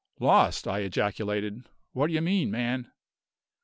"Lost!" I ejaculated. "What d'ye mean, man?"